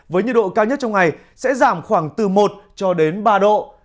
với nhiệt độ cao nhất trong ngày sẽ giảm khoảng từ một cho đến ba độ